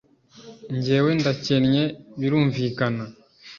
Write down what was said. jyewe ndakennye birumvikana